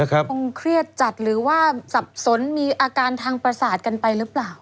คงเครียดจัดหรือว่าสับสนมีอาการทางประสาทกันไปหรือเปล่า